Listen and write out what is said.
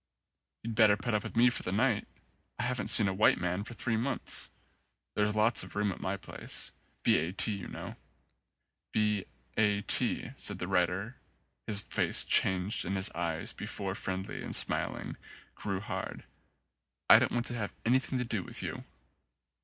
"You'd better put up with me for the night. I haven't seen a white man for three months. There's lots of room at my place. B. A. T. you know." "B. A. T.," said the rider. His face changed and his eyes, before friendly and smiling, grew hard. "I don't want to have anything to do with you."